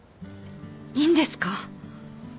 いいんですか？